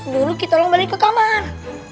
dulu kita lo balik ke kamar